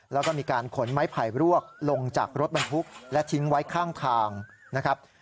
แล้วก็มีการขนไม้ไผ่รวกลงจากรถบรรทุกและทิ้งไว้ข้างทางนะครับ